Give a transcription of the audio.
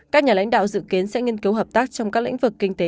các nhà lãnh đạo dự kiến sẽ nghiên cứu hợp tác trong các lĩnh vực kinh tế